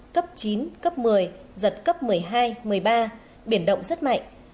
cấp chín cấp một mươi giật cấp một mươi hai một mươi ba biển động rất mạnh